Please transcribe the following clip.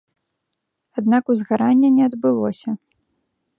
Аднак узгарання не адбылося.